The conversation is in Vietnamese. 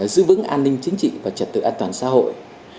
giữ vững an ninh chính trị và trật tự an toàn xã hội